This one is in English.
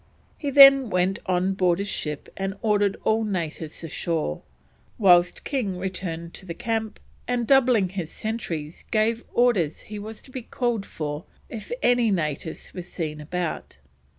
He then went on board his ship and ordered all natives ashore, whilst King returned to the camp, and doubling his sentries, gave orders he was to be called if any natives were seen about.